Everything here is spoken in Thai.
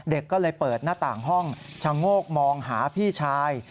เด็กก็เลยเปิดหน้าต่างห้องชะโงกมองหาพี่ชาย